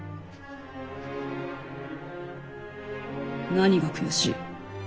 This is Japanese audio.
何が悔しい？